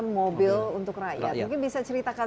mobil untuk rakyat mungkin bisa ceritakan